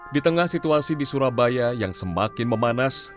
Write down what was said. di tengah situasi di surabaya yang semakin memanas